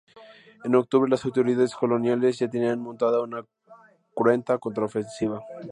En octubre las autoridades coloniales ya tenían montada una cruenta contraofensiva.